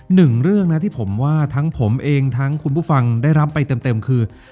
หนึ่งเรื่องนะที่ผมว่าทั้งผมเองทั้งคุณผู้ฟังได้รับไปเต็มคือ